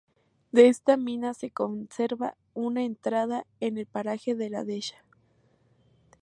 De esta mina se conserva una entrada en el paraje de "La Dehesa".